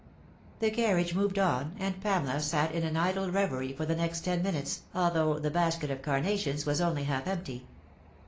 The carriage moved on, and Pamela sat in an idle reverie for the next ten minutes, although the basket of carnations was only half empty.